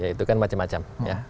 itu kan macam macam